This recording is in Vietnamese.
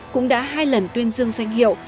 cũng đã hai lần tuyên dương danh hiệu